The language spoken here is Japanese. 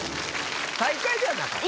最下位ではなかった。